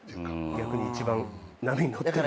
逆に一番波に乗ってる？